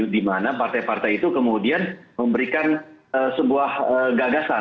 dimana partai partai itu kemudian memberikan sebuah gagasan